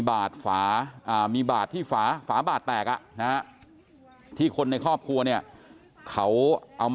บาดฝามีบาดที่ฝาฝาบาดแตกที่คนในครอบครัวเนี่ยเขาเอามา